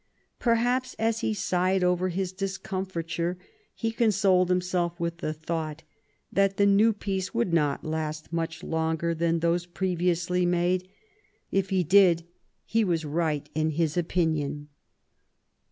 Perhaps as he sighed over his discomfiture he consoled himself with the thought that the new peace would not last much longer than those previously made : if he did, he was right in his opinion.